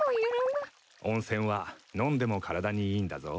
温泉は飲んでも体にいいんだぞ。